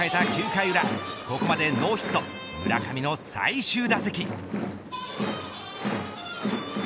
９回裏ここまでノーヒット、村上の最終打席。